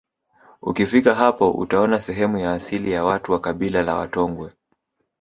Ukifika hapo utaona sehemu ya asili ya watu wa kabila la Watongwe